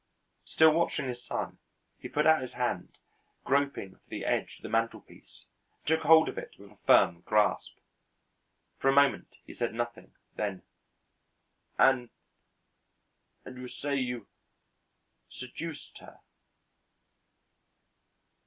Still watching his son, he put out his hand, groping for the edge of the mantelpiece, and took hold of it with a firm grasp. For a moment he said nothing; then: "And and you say you seduced her."